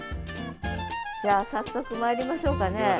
じゃあ早速まいりましょうかね。